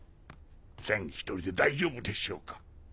千１人で大丈夫でしょうか？